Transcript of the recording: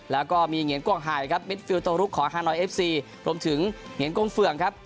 แล้วก็มีเหงียนกวงหายครับมิดฟิลโตลุกของฮานอยเอฟซีรวมถึงเหงียนกงเฟื่องครับ